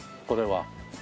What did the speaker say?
これは。